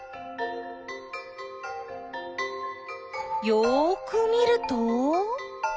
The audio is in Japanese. よく見ると？